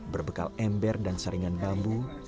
berbekal ember dan saringan bambu